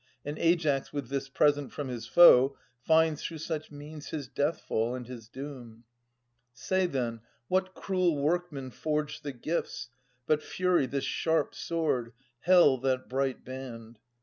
And Aias with this present from his foe Finds through such means his death fall and his doom. Say then what cruel workman forged the gifts, But Fury this sharp sword. Hell that bright band?